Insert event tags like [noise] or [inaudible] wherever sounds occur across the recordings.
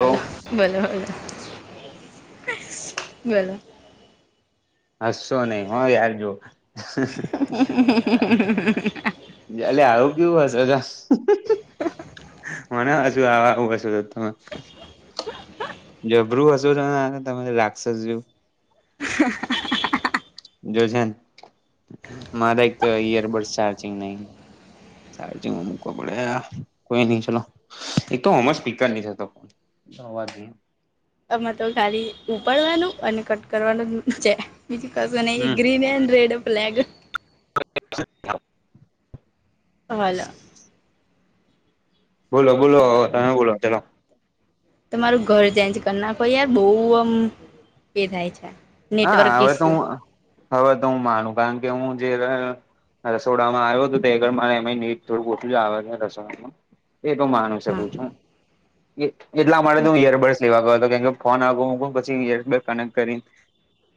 તો હલો બોલો હવે બોલો. હસસો નહી હો યાર જો [unintelligible] જ એલે આવું કેવું હશો જો [unintelligible] મને હસુ આ આવું હસુ તમે. જબરું હશું તો તને તમે રાક્ષસ જેવું જો છે મારા એક તો ઈયરબડ ચાર્જિંગ નહી. સારુ છે મૂકો પડે આ કોઈ નઈ ચલો. એક તો હો મા સ્પીકર નહી થતો [unintelligible] આમાં તો ખાલી ઉપાડવાનું અને કટ કરવાનું જ છે. હા, તમારા કઝિને હમ ગ્રીન અને રેડ બ્લેક શું કહેવા માંગો છો? [unintelligible] [unintelligible] હાલ. હા હા, બોલું છું! તમે કહો, શું વાત છે? ચાલો, આગળ કહો. [unintelligible] તમારું ઘર ચેન્જ કરી નાખ યાર, બસ આમ થાય છે. નેટવર્ક હા, ઇસ્યુ હવે તો હું માનું, કારણ કે હું જે હા, રસોડામાં આવ્યો હતો તો તે મને થોડું ઓછું જ આવડે છે રસોડામાં. એ તો માની હા શકું છું, કેટલા મળે તું યાર એવું કે ફોન આગળ પછી કનેક્ટ કરી.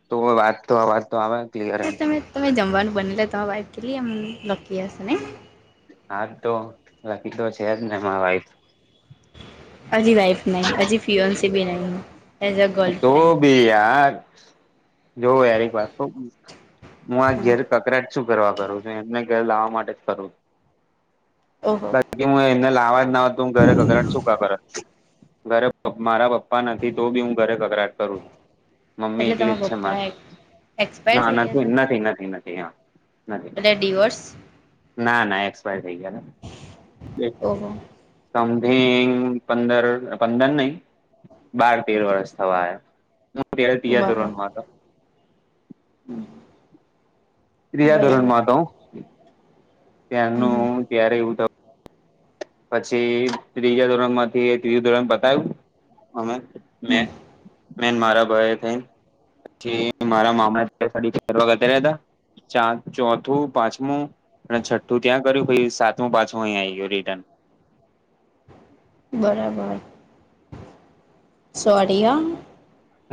તો વાત તો આ વાત તો આવાજ. હા, તમે જમવાનું બનાવો છો? તમે વાનગી કેવી રીતે બનાવો છો? [unintelligible] હા, એ તો લખી તો છે જ ને, મમ્મી. [unintelligible] હજી વાઇફ નહીં હજી ફ્રી પણ નથી હા. તો પણ યાર જોવ યાર વારંવાર. હું આ હા ઘેર કકરાટ શું કરવા કરું છું એમને ઘર લાવવા માટે જ કરું છું. ઓહ. હું એને લાવવા જ નથી ઘરે ઘરાકા કરું. ઘરે મારા પપ્પા નથી તો પણ હું ઘરે કકળાટ કરું છું. મમ્મી એટલે એકલી જ તમારા છે, પપ્પા મારે એક્સપાયર ના થઈ નથી નથી નથી નથી. રેડિવર્સ. ના ના એક્સપાયર થઈ ગયા ને. ઓહ. સમથિંગ પંદર-પંદર નહીં, બાર-તેર વર્ષ. સવાય હું ઓ ત્યાં ધોરણમાં તો. હમ. ત્રીજા ધોરણમાં તો હમ ત્યાંનું, ત્યારે એવું, પછી ત્રીજા ધોરણમાંથી ત્રીજું ધોરણ ભણાયું અમે. હમ મેં, મેં ન મારા ભાઈ થઈ. પછી મારા મામા [unintelligible] ફરવા જતા રહતા. ચોથું, પાંચમું. અને છઠ્ઠું ત્યાં કર્યું, પછી સાતમું, પાંચમું અહીં આવી ગયો, રિટર્ન. બરાબર. સોરી યા.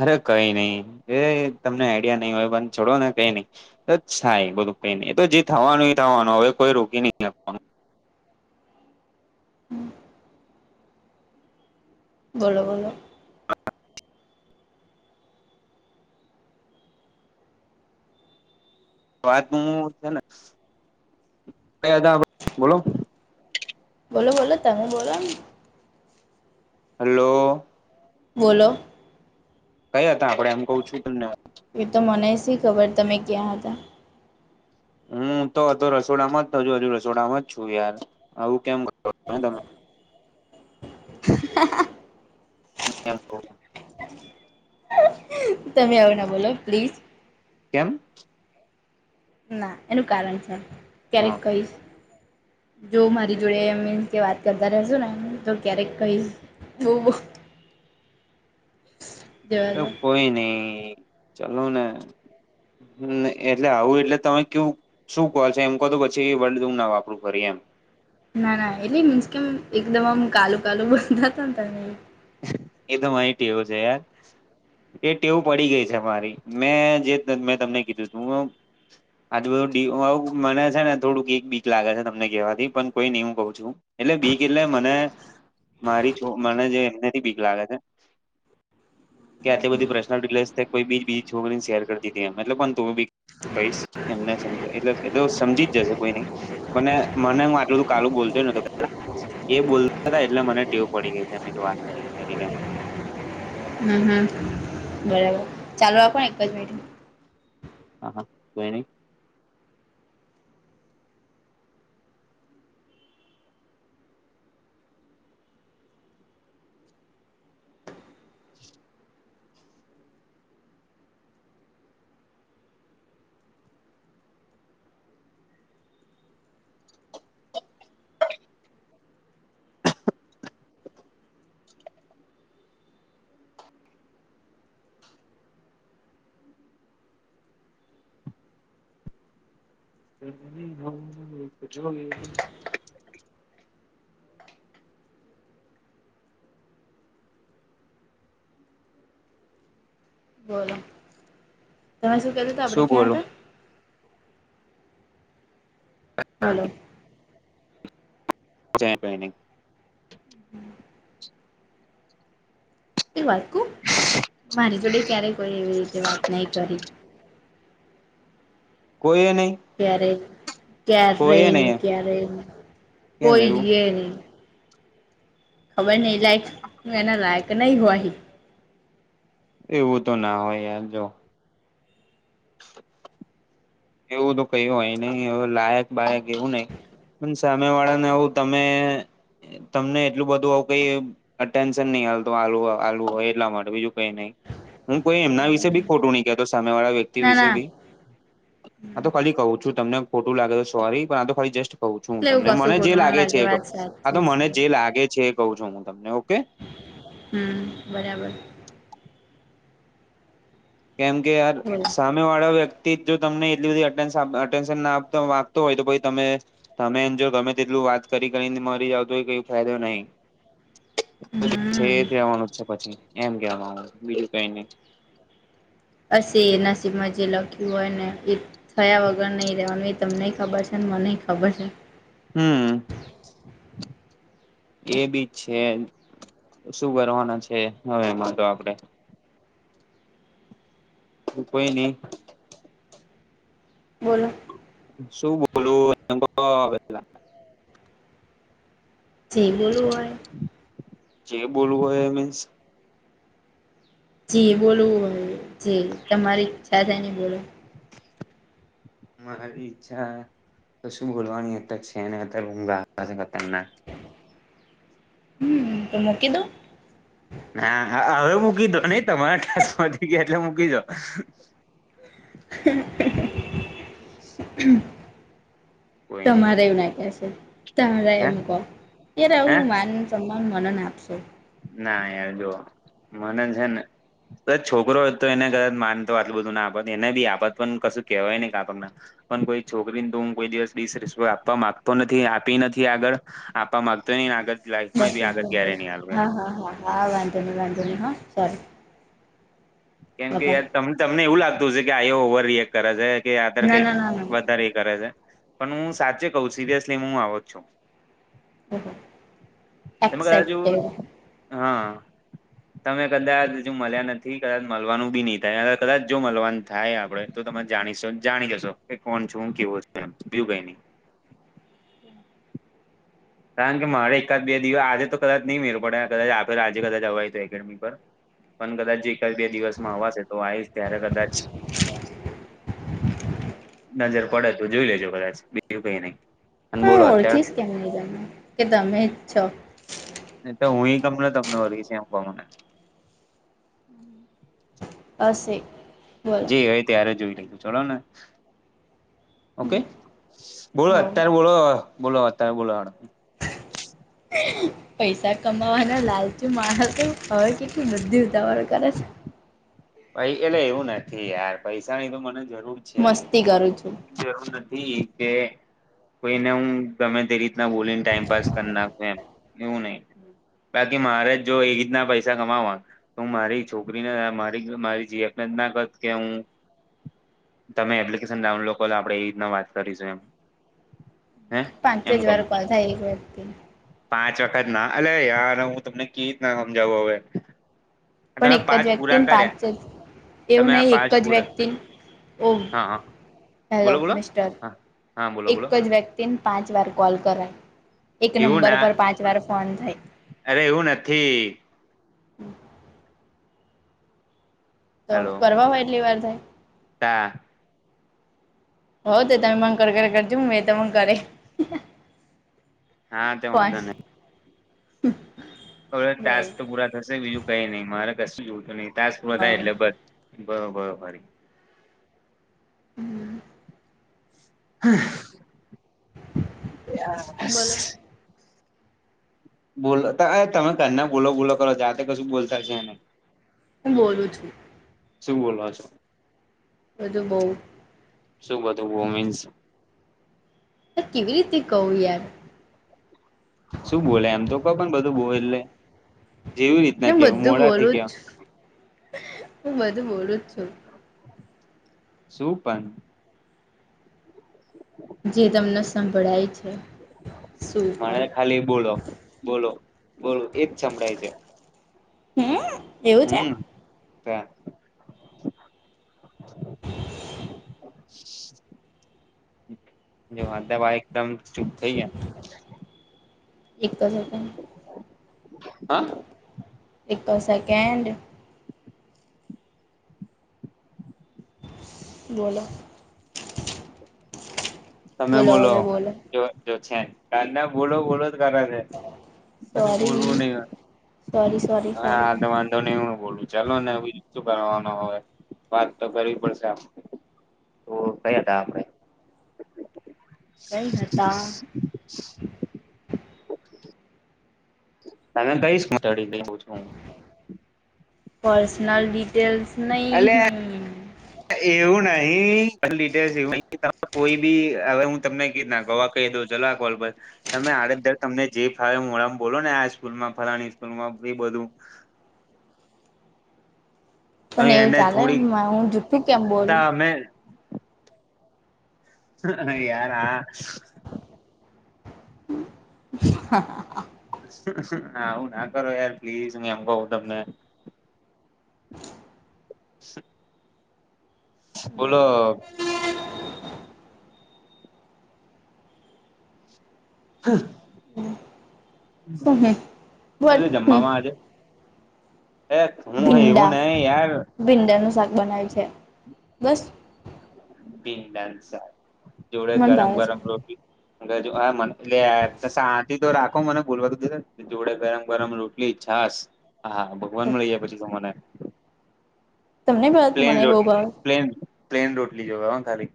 અરે, કંઈ નહીં. એ તમને આઈડિયા નહીં હોય, પણ છોડો ને, કંઈ નહીં. તોય બધું પેલું તો જે થવાનું, થવાનું. હવે કોઈ રોકી નહીં, હખતુ. બોલો. બોલો. વાત છે ને, [unintelligible] બોલો. બોલો બોલો તમે બોલો. હેલો. બોલો. ક્યાં હતા આપણે એમ કહું છું તમને. એ તો મને જ ખબર છે તમે ક્યાં હતા. હું તો રસોડામાં જ હતો હજુ પણ રસોડામાં જ છું યાર આવું કેમ કરો તમે. હ. [unintelligible] તમે આવું ના બોલો પ્લીઝ. કેમ? ના એનું કારણ છે ક્યારેક હા કહીશ જો મારી જોડે મિસ. કે વાત કરતા રહીશું ને એ તો ક્યારેક કહીશ હું. જવા એ દો કોઈ નહીં ચાલું ને. હા, એટલે તમે એવું કહો છો [unintelligible] શું કહો છે એમ કહો તો પછી વર્ડૂમ ના વાપરું કરી એ એમ. ના ના એટલે મીસ કેમ એકદમ આમ કાલુ કાલુ બંધા હતા ને તમે એ. એ તો માહી ટેવ છે યાર. એ ટેવું પડી ગઈ છે મારી મેં જે મે તમને કીધું [unintelligible] આજું બધું [unintelligible] મને છે ને થોડુંક એક બીક લાગે છે તમને કહેવાથી પણ કોઈ નહી હું કહું છું. એટલે બીક એટલે મને મારી છો મને જે એમનેથી બીક લાગે છે. કે આટલી બધી પર્સનલિ કોઈ બીજ છોરીને શેર કરીતી હતી એલે પણ તું બી ભાઈ એમને સમજ એટલે એ તો સમજી જ જશે કોઈ નઈ. અને મને હું આટલું કાલું બોલતોય [unintelligible] એ બોલતા હતા એટલે મને ટેવ પડી ગઈ છે વાત કરી કરીને. ના ના બરાબર ચાલો આપ પણ એક જ મિનિટ હા હા ભણી [unintelligible] બોલો તમે શું કધું તું આપડે ક્યાં હતા. હલો. [unintelligible] એ વાત કહું મારી જોડે ક્યારેય કોઈ એવી રીતે વાત નહી કરી. કોઈ એ નહી. ક્યારે ક્યારે નઈ નહી ક્યારે કેમ કોઈ એવું દિવસે નહીં. ખબર નહી લાયક હું એના લાયક નહિ હોઇ. એવું તો ના હોય યાર જો એવું તો કય હોય નહિ અવે લાયક બાયક એવું નહિ પણ સામે વાળા ને આવું તમે તમને એટલું બધું આવું કઈ અટેન્શન નહી હાલ તો આલુ હો આલુ હોય એટલા માટે બીજું કઈ નઈ. હું કોઈ એમના વિશે ભી ખોટું નહી કતો સામે વાળા વ્યક્તિ ના વિશે ના બી હા તો ખાલી કહું છું તમને ખોટું લાગે તો સોરી પણ આ તો ખાલી જસ્ટ કહું છું હું એટલે એવું તમને કશું મને જે ખોટું ના લાગે છે એ કહું વાત આ તો સાચી મને છે જે લાગે છે એ કહું છું હું તમને ઓકે. હામ બરાબર. કેમ કે યાર બોલો સામ સામે વાળા વ્યક્તિ જો તમને એટલી બધી અટેન્શન અપ અટેન્શન આપતા આપતો હોય જો કોઈ તમે તમે એમ જો ગમે તેટલું વાત કરી કરીને મરી [unintelligible] તો એવું કઈ ફાયદો નહીં. જે છે હમ એ જ કહેવા માંગુ છું પછી એમ કહેવા માંગુ બીજું કઈ નહી. અ એ નસીબમા જે લખ્યું હોય ને એ થયા વગર નઈ રહેવાનું એ તમને ખબર છે ને મને ખબર છે. હમ એ બી છે. શું કરવાના છે હવે એમાં તો આપડે. કોઈ નિ બોલો શું બોલું? [unintelligible] જે બોલુ હોય જે બોલવું હોય એમ મીન્સ. જી બોલવું હોય જી તમારી ઈચ્છા થાય ને ઈ બોલો મારી ઈચ્છા કશું બોલવાની અતાર છે ની અતારે ઊંઘ આવે ખતરનાક. હમ તો મૂકી દો. હા હવે મૂકી દો નહી તમારા ટાસ્ક પતિ ગયા એટલે મૂકી દો. [unintelligible] કોઈ નઈ તમારે એવું નાખે છે તમરે હે એમ કહો હે આવું માનું છ તમામ મને ના આપશો. ના યાર જો મને છેને એ છોકરો એતો એને ગદ માનતો આટલું બધું ના આપત એને બી આપત પન કશું કેવાય નઈ આપમે પન કોઈ છોકરીન તુમ કોઈ દિયસ ડીસ રીસ આપવા માંગતો નથી આપી નથી આગળ આપા માગતોની ને આગળ લાઈફમાં બસ [inaudible] બી હા આગળ ક્યારે નહી આલું એમ હા હા હાઆ-આ-આ વાંધો ની વાંધો ની હ ચાલ કેમ કે યાર તમ તમને એવું લાગતું હશે કે આઈ ઓ ઓવર રિએક્ટ કારે છે કે આત્યાર ના કઈક ના ના ના વધારે એ કરે સે. પણ હુ સાચે કઉું સિરિયસલી મું આવોજ છું. ઓહો એમાં ગાજુ એક્સેપ્ટેડ હઅ તમે કદાચ હજુ મલ્યા નથી. કદ મલવાનું બી ની થાય અવે કદાચ જો મલવાનું થાય આપડે તો તમે જાણીશો જાણી જશો. એ કોણ છું હું કેવો એમ બીજું કઈની. કારણ કે મારે એકાદ બે દિવ આજે તો કદાચ ની મેર પડે કદાચ આપડે તો આજે કદાચ આવાય તો એકેડમી પર. પન કદાચ એકાદ બે દિવસમાં અવાશે તો આયીશ ત્યારે કદાચ. નજર પડે તો જોઈ લેજો કદાચ બીજું કઈ ની. પણ હું ઓળખીશ કેમ ની એમ કે તમે જ છો? નેતો હું ઈ કમ નો તમ ને ઓળખીશ એમકો મને. અશે જે ઓય ત્યારે જોઈ લેશું છોડોને ઓકે. બોલો હવ. અત્યારે બોલો બોલો અટ્ટારે બોલો. [unintelligible] પૈસા કમાવાના લાલચુ માણસો હવે કેટલી બધી ઉતાવળ કરે છે. પઇ એટલે એવું નથી યાર પૈસાની તો મને જરૂર છે. મસ્તી કરું છું. જરૂર નથી કે કોઈને હું ગમે તે રીતના બોલીન ટાઈમપાસ કરનાખુ એમ એવું નઈ. બાકી મારેજો એ રીતના પૈસા કમાવા તો હું મારી છોકરીને માં એજો મારી જીએપના ના કર કે ઉ તમે એપ્લિકેશન ડાઉનલો કરલો આપળે ઇ રીતના વાત કરીશું એમ હે પાંચે એમ જ ક વાર કોલ થાય એક વ્યક્તિને. પાંચ વખત ના આલે યાર ઉ તમને કી તના હમજાવું અવે. પણ એક જ વ્યક્તિન પાંચે જ એવું તમે આ નઈ એક પાંચ જ પૂરા વ્યક્તિન ઓ હા હા હેલો બોલો બોલો મિસ્ટર હા હા બોલો એક બોલો જ જ વ્યક્તિન પાંચ વાખ કોલ કરાય એક એવું નંબર ના પર પાંચ વાર જ ફોન થાય. અરે એવું નથી. તો હલો કરવા હોય એટલી વાર થાય. તા ઓય તે તમે મન કર કર કરજું મે તમ મં કરે આ તેમ ફોન વાધોનઇ [unintelligible] અવે તાસ બોલો તો પૂરા થશે બીજું કઈ ની મારે કશું જોતું ની તાસ પૂરા થાય હા એટલે બત બરો બરો ફરી [unintelligible] બોલો [unintelligible] બોલો તાઆ તમે ક્યાનાં બોલો બોલો કરો જાતે કશું બોલતા છે નઇ ઉમ બોલું છું. શું બોલવા છો? બધું બોઉ શું બધું બો મીન્સ એ કેવી રીતે કઉ યાર શું બોલ્યા એમ તો કપ માનું બધું બો એટલે જેવી એટલે રીતના હું કેવ બધું મોળાથી બોલું કેવ જ છું હું બધું બોલું જ છું. સૂપન જે તમને સંભળાય છે. સુપર મને ખાલી બોલો બોલો બોલો એજ સંભળાય છે. હમ્મ હમ્મ ત જો હ દવા એકદમ ચુપ થઈ જયા એક કજાર હા એક સેકન્ડ બોલો તમે બોલો જો જો છે કા ના બોલો બોલો જ કરા છે. પછું સોરી બોલવું નહી સોરી સોરી સોરી હ [unintelligible] તો નહી હું બોલું ચાલો ને એી શું કરવાનું હવે વાત તો કરવી પડશે તો કયા હતા આપ કઈ હતા હ તમે કઈશ ચડી છું. પર્સનલ ડિટેલ્સ અલ્યા નહીં એવું નહી ડટેસ એવું [unintelligible] કોઈ બી હવે હું તમને ક ગવા કહી દઉ જલાકોલ તમે આડર તમને જે ફડા બોલો ને આ સ્કૂલમાં ફલાણી સ્કૂલમાં બધું પણ હવે એવું એને ચાલે થોડીક હું જુઠું કેમ બોલું તા અમે હ યારા હ [unintelligible] હ આવું ના કરો યાર પ્લીઝ હું એમ કઉ તમને હ બો લો બોલો શું હમ શ છે બટ હમ જમવામાં આજે એ ત હું એવું ન યાર ભીંડા નું શાક બનાવે છે બસ દીન દાન સા જોડે મને ગરમ ભાવે છે ગરમ રોટી [unintelligible] હ મને એ શાંતિ તો રાખો મને બોલવા તો દીધે જોડે ગરમ ગરમ રોટલી છાસ હા ભગવાન મળી જાય પછી મને તમને ભાવે મને પ્લેન પણ બહુ રોટલી ભાવે પ્લેન પ્લેન રોટલી જોવે ખાલી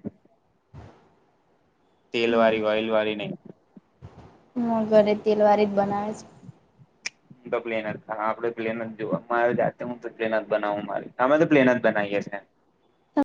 તેલ વાળી ઓયલ વાળી નહીં હું ઘરે તેલવારી જ બનાવે છે હું તો પ્લેન જ હા આપડે પ્લેન જ જો મારે જાતે હું તો પ્લેન જ બનાવું મારી અમે તો પ્લેન જ બનાવીએ છે છે